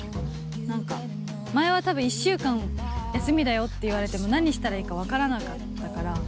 なんか、前はたぶん、１週間休みだよって言われても、何したらいいか分からなかったから。